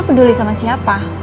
lo peduli sama siapa